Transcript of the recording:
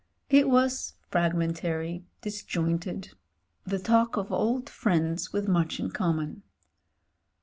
It was fragmentary, disjointed — the talk of old friends with much in common.